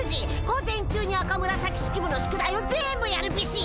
午前中に赤紫式部の宿題を全部やるビシッ！